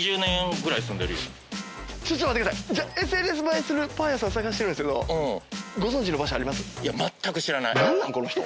ＳＮＳ映えするパン屋さん探してるんですけどご存じの場所あります？